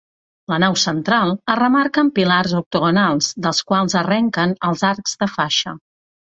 La nau central es remarca amb pilars octogonals, dels quals arrenquen els arcs de faixa.